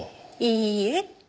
いいえ。